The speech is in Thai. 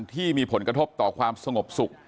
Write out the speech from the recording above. ที่มีผลกระทบต่อความสงบสุข